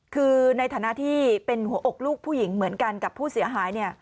คือในฐานะที่เป็นหัวอกลูกผู้หญิงเหมือนกันกับผู้เสียหาย